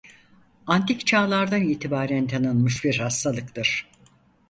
Antik Çağlar'dan itibaren tanınmış bir hastalıktır.